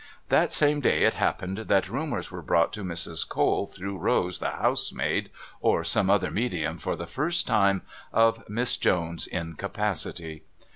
That same day it happened that rumours were brought to Mrs. Cole through Rose, the housemaid, or some other medium for the first time, of Miss Jones's incapacity.